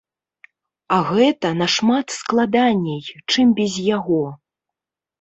А гэта нашмат складаней, чым без яго.